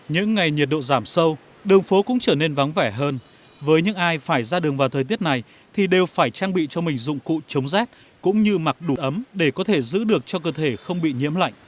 những ngày nhiệt độ giảm sâu đường phố cũng trở nên vắng vẻ hơn với những ai phải ra đường vào thời tiết này thì đều phải trang bị cho mình dụng cụ chống rét cũng như mặc đủ ấm để có thể giữ được cho cơ thể không bị nhiễm lạnh